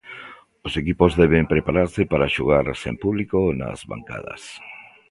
Os equipos deben prepararse para xogar sen público nas bancadas.